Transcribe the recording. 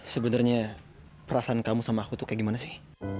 sebenernya perasaan kamu sama aku itu kayak gimana sih